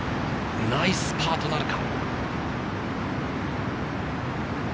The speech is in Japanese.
ナイスパーとなるか？